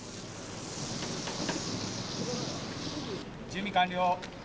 準備完了。